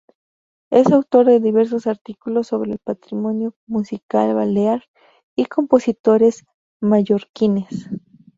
Es autor de diversos artículos sobre el patrimonio musical balear y compositores mallorquines.